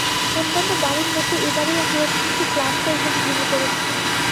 অন্যান্য বারের মত এবারেও আমি অত্যন্ত ক্লান্ত এবং ভেঙে পড়েছি।